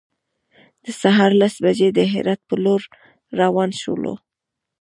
د سهار لس بجې د هرات په لور روان شولو.